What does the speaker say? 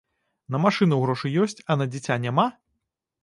На машыну грошы ёсць, а на дзіця няма?